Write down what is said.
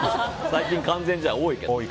最近、完全試合多いけど。